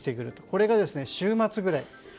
これが週末ぐらい。